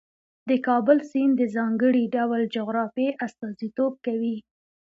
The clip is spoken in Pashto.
د کابل سیند د ځانګړي ډول جغرافیې استازیتوب کوي.